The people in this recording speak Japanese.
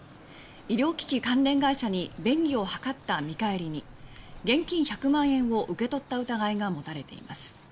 医療機器関連会社に便宜を図った見返りに現金１００万円を受け取った疑いが持たれています。